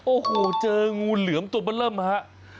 โอ้โหเจองูเหลือมตัวมันเริ่มฮะ